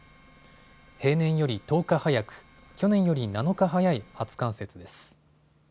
平年より１０日早く、去年より７日早い初冠雪です。